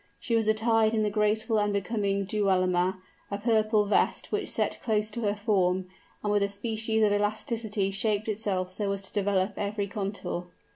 She was attired in the graceful and becoming dualma, a purple vest which set close to her form, and with a species of elasticity shaped itself so as to develop every contour.